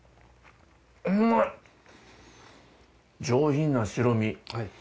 上品な白身。